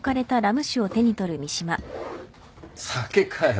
酒かよ。